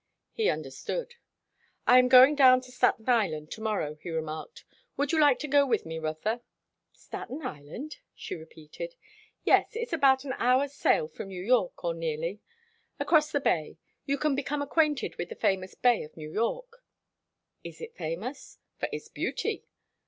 He understood. "I am going down to Staten Island to morrow," he remarked. "Would you like to go with me, Rotha?" "Staten Island?" she repeated. "Yes. It is about an hour's sail from New York, or nearly; across the bay. You can become acquainted with the famous bay of New York." "Is it famous?" "For its beauty."